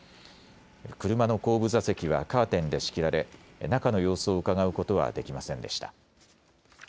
車の後部座席はカーテンで仕切られ、中の様子をうかがうことはできませんでした。